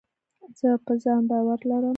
زه په ځان باور لرم.